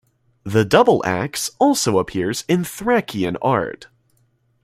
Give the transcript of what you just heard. The double-axe also appears in Thracian art.